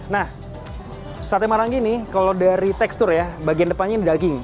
nah sate maranggi ini kalau dari tekstur ya bagian depannya ini daging